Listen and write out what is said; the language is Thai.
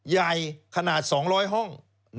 ใหญ่ขนาด๒๐๐ห้อง